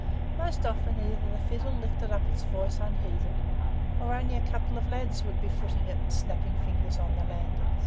Most often, either the fiddle lifted up its voice unheeded, or only a couple of lads would be footing it and snapping fingers on the landing.